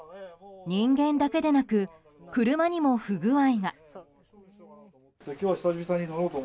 人間だけでなく車にも不具合が。